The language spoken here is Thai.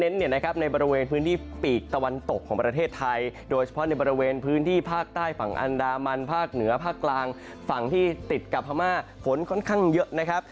ในบริเวณพื้นที่ปีกตะวันตกของประเทศไทยโดยเฉพาะในบริเวณพื้นที่ภาคใต้ฝั่งอันดามันภาคเหนือภาคกลางฝั่งที่ติดกับพม่าฝนค่อนข้างเยอะนะครับ